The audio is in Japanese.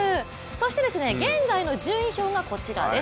そして現在の順位表がこちらです。